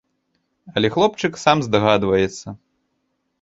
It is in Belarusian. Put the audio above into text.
Але хлопчык сам здагадваецца.